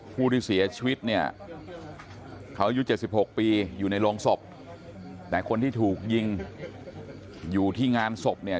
ผู้ที่เสียชีวิตเนี่ยเขาอายุ๗๖ปีอยู่ในโรงศพแต่คนที่ถูกยิงอยู่ที่งานศพเนี่ย